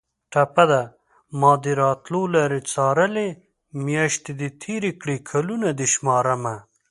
ټپه ده: مادې راتلو لارې څارلې میاشتې دې تېرې کړې کلونه دې شمارمه